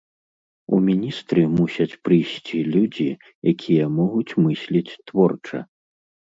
У міністры мусяць прыйсці людзі, якія могуць мысліць творча.